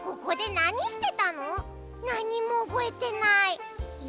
なにもおぼえてない。